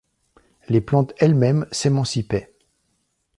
Les plantes elles-mêmes « s’émancipaient »